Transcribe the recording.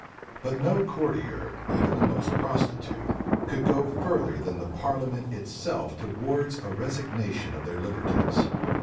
But no courtier, even the most prostitute, could go further than the parliament itself towards a resignation of their liberties.